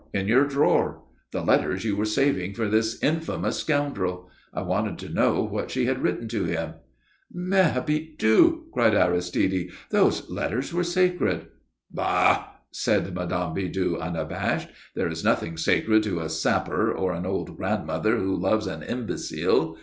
In your drawer. The letters you were saving for this infamous scoundrel. I wanted to know what she had written to him." "Mère Bidoux!" cried Aristide. "Those letters were sacred!" "Bah!" said Mme. Bidoux, unabashed. "There is nothing sacred to a sapper or an old grandmother who loves an imbecile.